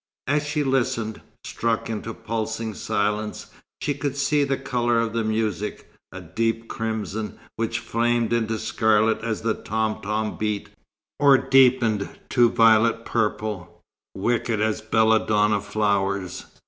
As she listened, struck into pulsing silence, she could see the colour of the music; a deep crimson, which flamed into scarlet as the tom tom beat, or deepened to violent purple, wicked as belladonna flowers.